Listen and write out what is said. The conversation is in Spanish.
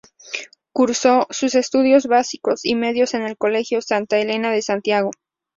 Cursó sus estudios básicos y medios en el Colegio Santa Elena de Santiago.